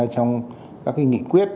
trong các nghị quyết